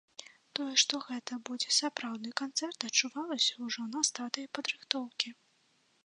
Тое, што гэта будзе сапраўдны канцэрт, адчувалася ўжо на стадыі падрыхтоўкі.